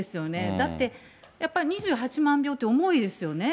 だって、やっぱり２８万票って重いですよね。